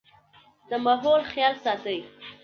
د ماحول خيال ساتئ